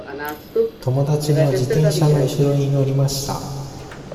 友達の自転車のうしろに乗りました。